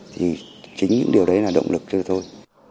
thì chính những điều đấy là động lực thôi